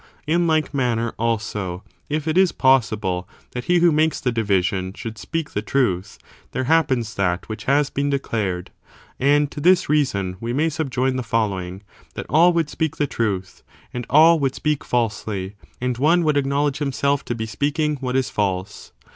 In like manner, also, if it is possible that he who makes the division should speak the truth, there happens that which has been declared. And to this reason we may subjoin the following : that all would speak the truth, and all would speak falsely, and one would acknowledge him self to be speaking what is false.